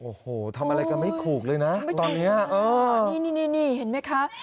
โอ้โหทำอะไรกันไม่ถูกเลยนะตอนนี้นี่นี่เห็นไหมคะ